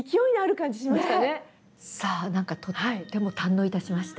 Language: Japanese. さあ何かとっても堪能いたしました。